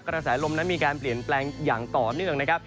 กระแสลมนั้นมีการเปลี่ยนแปลงอย่างต่อเนื่องนะครับ